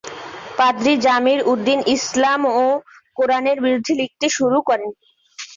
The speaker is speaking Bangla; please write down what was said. পাদ্রি জমির উদ্দিন ইসলাম ও কোরআনের বিরুদ্ধে লিখতে শুরু করেন।